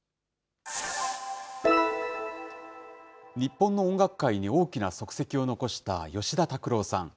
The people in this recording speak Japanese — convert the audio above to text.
日本の音楽界に大きな足跡を残した吉田拓郎さん。